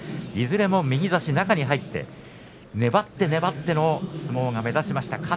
いずれも右差し中に入って粘っての相撲が目立ちました